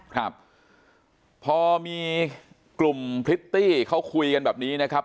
ครับพอมีกลุ่มพริตตี้เขาคุยกันแบบนี้นะครับ